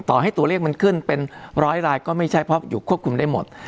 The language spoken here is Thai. ต่อให้ตัวเลขมันขึ้นเป็นร้อยลายก็ไม่ใช่เพราะอยู่ควบคุมได้หมด